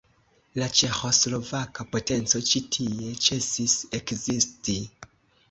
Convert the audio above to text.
La ĉeĥoslovaka potenco ĉi tie ĉesis ekzisti.